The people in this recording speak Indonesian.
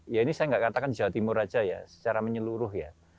ya ini saya nggak katakan jawa timur saja ya secara menyeluruh ya